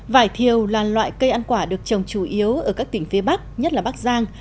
vải thiều là loại cây ăn quả được trồng chủ yếu ở các tỉnh phía bắc nhất là bắc giang